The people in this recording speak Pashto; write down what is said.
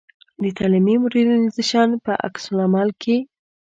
د تعلیمي مډرنیزېشن په عکس العمل کې.